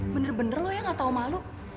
bener bener lo yang enggak tahu malu